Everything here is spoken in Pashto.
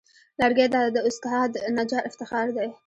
لرګی د استاد نجار افتخار دی.